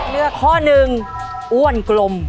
เลือกข้อหนึ่งอ้วนกลม